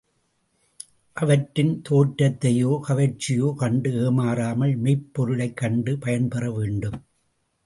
அவற்றின் தோற்றத்தையோ, கவர்ச்சியையோ கண்டு ஏமாறாமல், மெய்ப் பொருளைக் கண்டு பயன்பெற வேண்டும்.